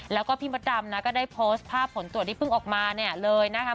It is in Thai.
แล้วก็พี่มดดำนะก็ได้โพสต์ภาพผลตรวจที่เพิ่งออกมาเนี่ยเลยนะคะ